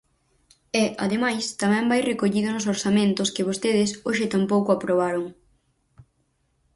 E, ademais, tamén vai recollido nos orzamentos que vostedes hoxe tampouco aprobaron.